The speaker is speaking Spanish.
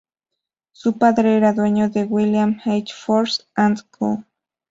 Su padre era dueño de la William H. Force and Co.